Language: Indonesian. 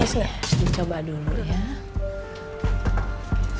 biasa aja jangan berlaku sayang